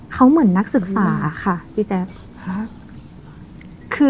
เขาเหมือนนักศึกษาค่ะพี่แจ๊ค